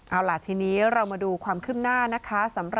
เอาล่ะทีนี้เรามาดูความคืบหน้านะคะ